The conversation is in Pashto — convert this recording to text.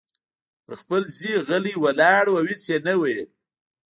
پر خپل ځای غلی ولاړ و او هیڅ یې نه ویل.